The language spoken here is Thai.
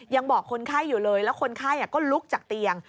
ยังบอกคนไข้อยู่เลยแล้วคนไข้ก็ลุกจากเตียง